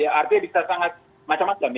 artinya bisa macam macam